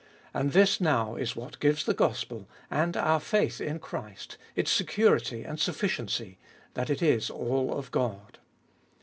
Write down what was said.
And this now is what gives the gospel, and our faith in Christ, its security and sufficiency — that it is all of God.